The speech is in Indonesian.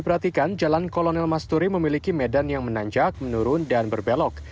perhatikan jalan kolonel masturi memiliki medan yang menanjak menurun dan berbelok